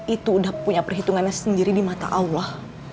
itu udah punya perhitungannya sendiri di mata allah